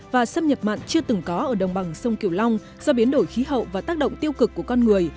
và xâm nhập mặn chưa từng có ở đồng bằng sông kiều long do biến đổi khí hậu và tác động tiêu cực của con người